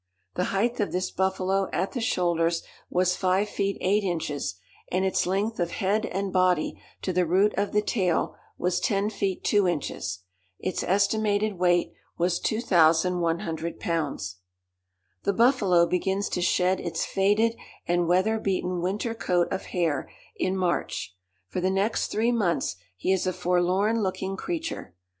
The height of this buffalo at the shoulders was 5 feet, 8 inches, and its length of head and body to the root of the tail was 10 feet, 2 inches. Its estimated weight was 2,100 pounds. The buffalo begins to shed its faded and weather beaten winter coat of hair in March. For the next three months he is a forlorn looking creature.